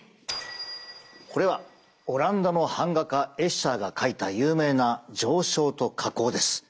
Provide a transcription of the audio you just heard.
これはオランダの版画家エッシャーが描いた有名な「上昇と下降」です。